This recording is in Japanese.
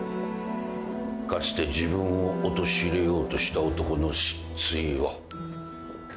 かつて自分を陥れようとした男の失墜を。